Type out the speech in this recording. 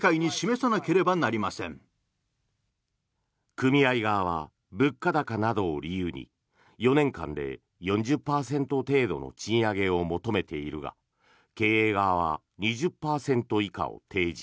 組合側は物価高などを理由に４年間で４０％程度の賃上げを求めているが経営側は２０％以下を提示。